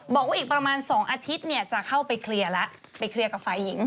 บอกว่าอีกประมาณ๒อาทิตย์เนี่ยจะเข้าไปเคลียร์แล้วไปเคลียร์กับฝ่ายหญิง